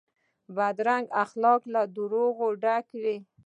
بدرنګه اخلاق له دروغو ډک وي